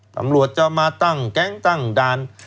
ตำรวจจะมาตั้งแก๊งตั้งด่าน